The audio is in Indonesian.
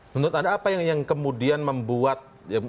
menurut anda apa yang kemudian membuat